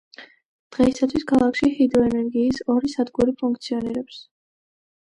დღეისათვის, ქალაქში ჰიდროენერგიის ორი სადგური ფუნქციონირებს.